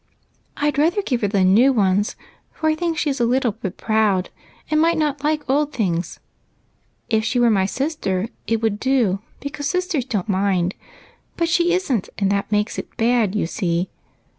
" I 'd rather give her new ones, for I think she is a little bit proud and might not like old things. If she was my sister it would do, because sisters don't mind, but she is n't, and that makes it bad, you see.